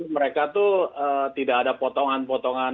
mereka tuh tidak ada potongan potongan